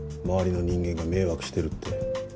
周りの人間が迷惑してるって。